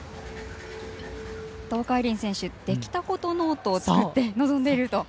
東海林選手できたことノートを作って臨んでいるという。